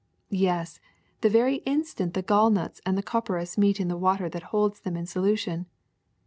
^^Yes, the very instant the gallnuts and the cop peras meet in the water that holds them in solution.